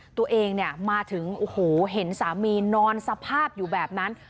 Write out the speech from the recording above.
ตัวเองเนี่ยมาถึงโอ้โหเห็นสามีนอนสภาพอยู่แบบนั้น